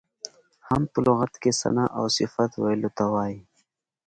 حمد په لغت کې ثنا او صفت ویلو ته وایي.